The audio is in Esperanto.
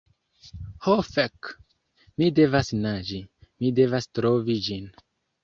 Ho fek! Mi devas naĝi, mi devas trovi ĝin.